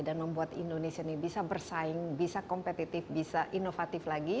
dan membuat indonesia ini bisa bersaing bisa kompetitif bisa inovatif lagi